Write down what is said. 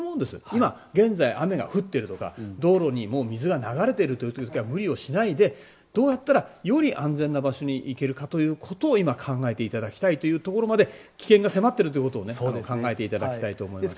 今現在、雨が降っているとか道路に水が流れているという時は無理をしないでどうやったら、より安全な場所に行けるかということを今、考えていただきたいというところまで危険が迫っているというところを考えていただきたいと思います。